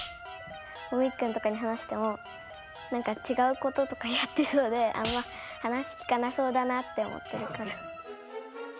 みっくんとかに話してもなんかちがうこととかやってそうであんま話聞かなそうだなって思ってるから。